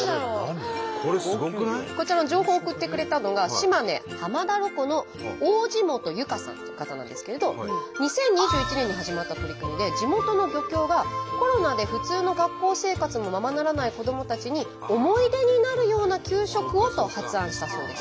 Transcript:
こちらの情報を送ってくれたのが２０２１年に始まった取り組みで地元の漁協が「コロナで普通の学校生活もままならない子どもたちに思い出になるような給食を」と発案したそうです。